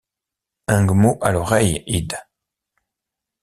Ung mot à l’aureille id.